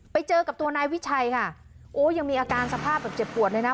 ไปเจอกับตัวนายวิชัยค่ะโอ้ยังมีอาการสภาพแบบเจ็บปวดเลยนะ